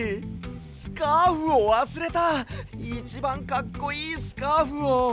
スカーフをわすれたいちばんかっこいいスカーフを。